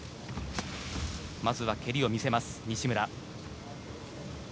まずは蹴りを見せます、西村。